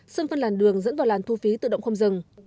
sân phân làn đường dẫn vào làn thu phí tự động không dừng